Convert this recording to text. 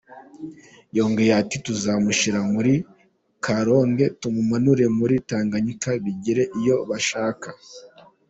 Yongeyeho ati “Tuzamushyira muri Karonge tumanurire muri Tanganyika bigire iyo bashaka.